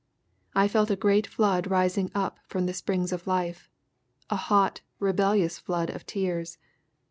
I felt a great flood rising up from the springs of life, a hot, rebellious flood of tears.